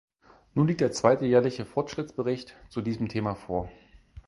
Nun liegt der zweite jährliche Fortschrittsbericht zu diesem Thema vor.